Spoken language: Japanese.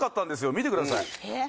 見てくださいえっ？